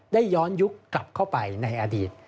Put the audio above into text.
ได้ย้อนยุคกลับเข้าไปในอดีต